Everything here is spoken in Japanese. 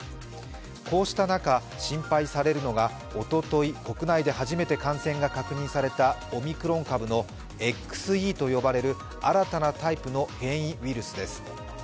こうした中、心配されるのがおととい国内で初めて感染が確認されたオミクロン株のＸＥと呼ばれる新たなタイプの変異ウイルスです。